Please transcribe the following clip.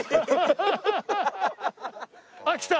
あっ来た！